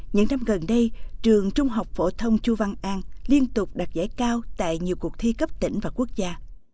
những năm gần đây trường trung học phổ thông chu văn an liên tục đạt giải cao tại nhiều cuộc thi cấp tỉnh và quốc gia